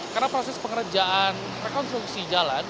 karena proses pengerjaan rekonstruksi jalan